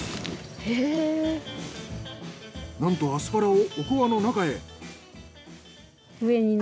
なんとアスパラをおこわの中へ！